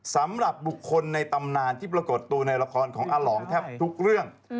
สำหรับบุคคลในตำนานที่ปรากฏตัวในละครของอาหลองแทบทุกเรื่อง